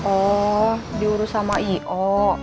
oh diurus sama io